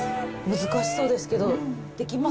難しそうですけど、できます